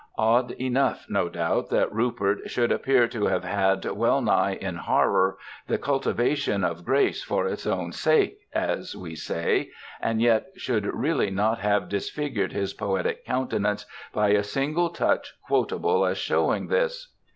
Odd enough, no doubt, that Rupert should appear to have had well nigh in horror the cultivation of grace for its own sake, as we say, and yet should really not have disfigured his poetic countenance by a single touch quotable as showing this.